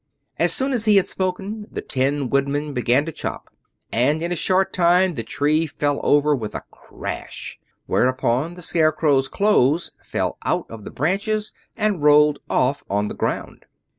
As soon as he had spoken, the Tin Woodman began to chop, and in a short time the tree fell over with a crash, whereupon the Scarecrow's clothes fell out of the branches and rolled off on the ground.